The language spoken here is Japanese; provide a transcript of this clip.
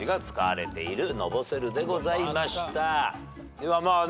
ではまあね